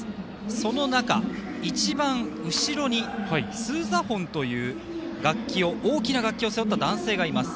その中、一番、後ろにスーザフォンという大きな楽器を背負った男性がいます。